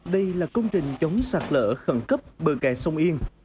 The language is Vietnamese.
đây là công trình chống sạt lỡ khẩn cấp bờ kè sông yên